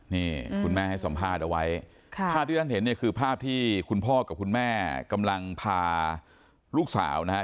นี่คุณแม่ให้สัมภาษณ์เอาไว้ค่ะภาพที่ท่านเห็นเนี่ยคือภาพที่คุณพ่อกับคุณแม่กำลังพาลูกสาวนะฮะ